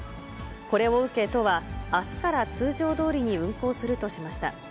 これを受け、都はあすから通常どおりに運行するとしました。